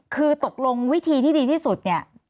คือตกลงวิธีที่ดีที่สุดเนี่ย